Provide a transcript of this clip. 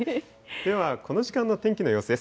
ではこの時間の天気の様子です。